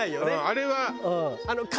あれは。